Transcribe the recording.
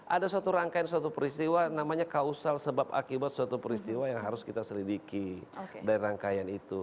ada suatu rangkaian suatu peristiwa namanya kausal sebab akibat suatu peristiwa yang harus kita selidiki dari rangkaian itu